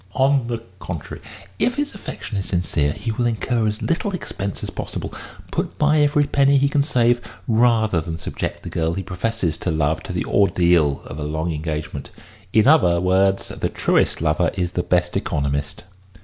On the contrary, if his affection is sincere, he will incur as little expense as possible, put by every penny he can save, rather than subject the girl he professes to love to the ordeal of a long engagement. In other words, the truest lover is the best economist."